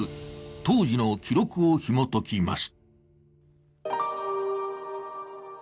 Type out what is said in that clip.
当時の記録をひもときます。